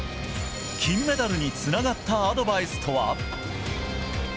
金メダルにつながったアドバイスとは。